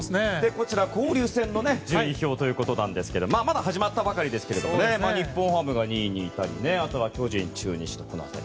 こちら交流戦の順位表なんですがまだ始まったばかりですけども日本ハムが２位にいたりあとは巨人、中日とこの辺り。